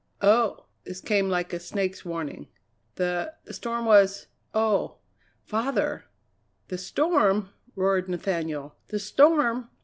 "Oh!" This came like a snake's warning. "The the storm was oh! Father " "The storm!" roared Nathaniel; "the storm!